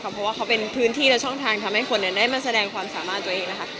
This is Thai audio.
เพราะว่าเขาเป็นพื้นที่และช่องทางทำให้คนได้มาแสดงความสามารถตัวเองนะคะ